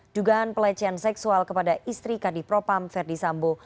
dugaan pelecehan seksual kepada istri kadif propam verdi sambo